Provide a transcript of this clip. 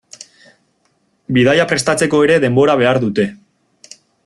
Bidaia prestatzeko ere denbora behar dute.